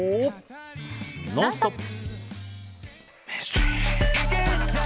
「ノンストップ！」。